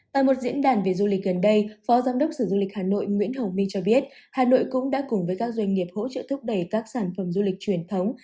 tại một diễn đàn về du lịch gần đây phó giám đốc sở du lịch hà nội nguyễn hồng minh cho biết hà nội cũng đã cùng với các doanh nghiệp hỗ trợ thúc đẩy các sản phẩm du lịch truyền thống